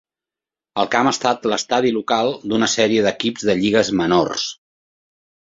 El camp ha estat l'estadi local d'una sèrie d'equips de lligues menors.